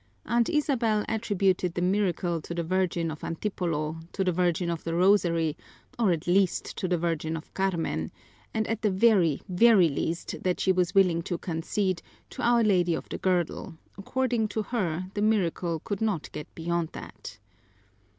Aunt Isabel attributed the miracle to the Virgin of Antipolo, to the Virgin of the Rosary, or at least to the Virgin of Carmen, and at the very, very least that she was willing to concede, to Our Lady of the Girdle; according to her the miracle could not get beyond that.